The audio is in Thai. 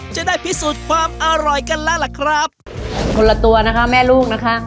จะได้พิสูจน์ความอร่อยกันแล้วล่ะครับคนละตัวนะคะแม่ลูกนะคะ